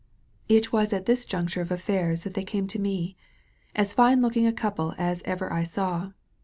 It was at this juncture of affairs that they came to me, as fine looking a young couple as ever I saw.